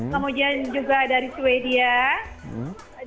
kemudian juga dari sweden